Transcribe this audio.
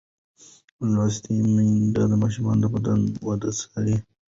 لوستې میندې د ماشوم د بدن وده څاري.